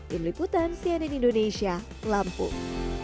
di meliputan cnn indonesia lampung